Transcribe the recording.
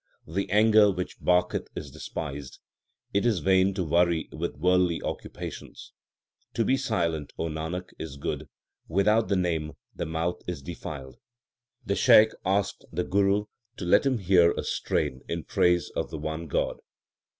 LIFE OF GURU NANAK 105 The anger which barketh is despised ; it is vain to worry with worldly occupations. To be silent, O Nanak, is good ; without the Name the mouth is defiled. 1 The Shaikh asked the Guru to let him hear a strain in praise of the one God.